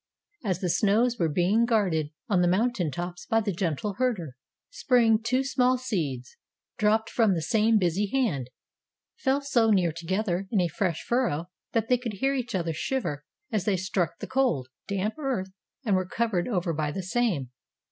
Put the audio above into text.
As the snows were being guarded on the mountain tops by the gentle herder Spring two small seeds, dropped from the same busy hand, fell so near together in a fresh furrow that they could hear each other shiver as they struck the cold, damp earth and were covered over by the same.